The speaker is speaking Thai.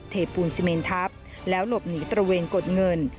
เทปูนซีเมนทับแล้วหลบหนีตระเวนกดเงิน